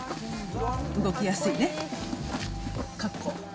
動きやすいね、格好。